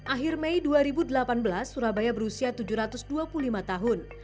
akhir mei dua ribu delapan belas surabaya berusia tujuh ratus dua puluh lima tahun